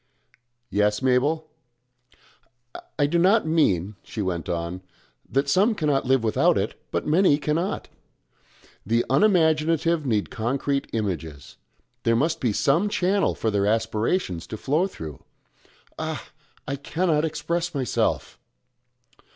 "Yes, Mabel?" "I do not mean," she went on, "that some cannot live without it, but many cannot. The unimaginative need concrete images. There must be some channel for their aspirations to flow through Ah! I cannot express myself!"